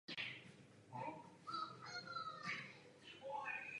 Jeho rukopisy jsou uchovány v knihovně Katalánska.